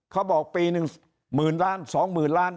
ปีหนึ่งหมื่นล้านสองหมื่นล้าน